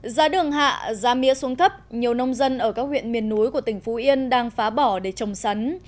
giá đường hạ giá mía xuống thấp nhiều nông dân ở các huyện miền núi của tỉnh phú yên đang phá bỏ để trồng sắn